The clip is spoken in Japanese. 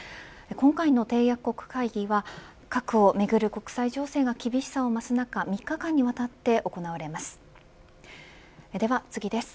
今回の締約国会議は核をめぐる国際情勢が厳しさを増す中３日間にわたって行われます。